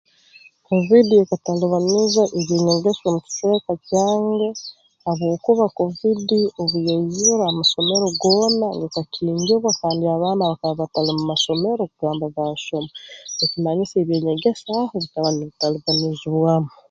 Kovidi ekatalibaniza eby'enyegesa mu kicweka kyange habwokuba kovidi obuyaizire amasomero goona gakakingibwa kandi abaana bakaba batali mu masomero kugamba baasoma nikimanyisa eby'enyegesa aho bikaba nibitalibanizibwamu